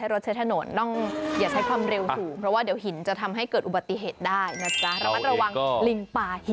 ร้อนจากเจ้าลิง